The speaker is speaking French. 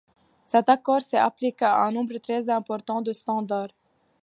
Cet accord s'est appliqué à un nombre très importants de standards.